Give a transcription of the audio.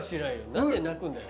何で泣くんだよ。